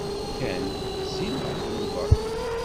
Ken wezzil ɣef Yuba.